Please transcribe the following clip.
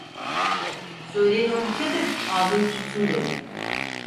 Söyleyin o piçe de ağzını tutsun! dedi.